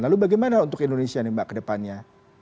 lalu bagaimana untuk indonesia nih mbak kedepannya